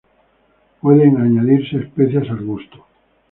Pueden añadirse especias al gusto.